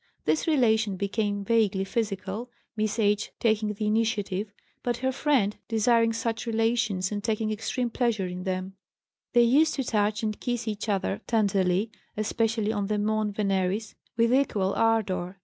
This relation became vaguely physical, Miss H. taking the initiative, but her friend desiring such relations and taking extreme pleasure in them; they used to touch and kiss each other tenderly (especially on the mons veneris), with equal ardor.